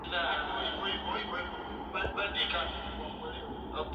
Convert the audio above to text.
Amenunua mkoba mpya